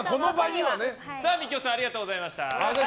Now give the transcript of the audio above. ミキオさんありがとうございました。